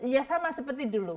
ya sama seperti dulu